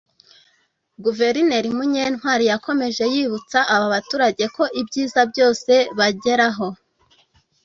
Guverineri Munyentwali yakomeje yibutsa aba baturage ko ibyiza byose bageraho